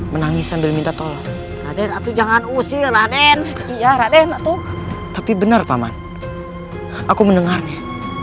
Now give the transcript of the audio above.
menangis sambil minta tolong adek aku jangan usir aden iya raden aku tapi benar paman aku mendengarnya